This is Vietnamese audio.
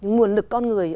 nguồn lực con người